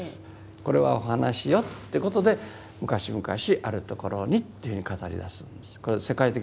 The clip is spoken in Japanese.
これはお話よってことで「むかしむかしあるところに」っていうふうに語り出すんです。